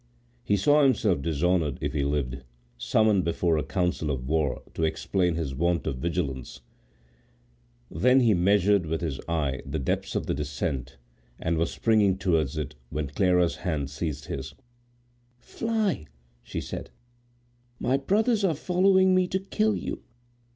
He saw himself dishonored if he lived, summoned before a council of war to explain his want of vigilance; then he measured with his eye the depths of the descent, and was springing towards it when Clara's hand seized his. "Fly!" she said; "my brothers are following me to kill you.